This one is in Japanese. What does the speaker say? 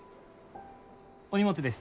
お荷物です。